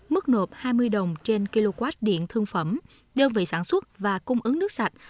mức nộp hai mươi đồng trên kw điện thương phẩm đơn vị sản xuất và cung ứng nước sạch